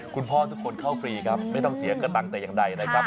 ทุกคนเข้าฟรีครับไม่ต้องเสียกระตังค์แต่อย่างใดนะครับ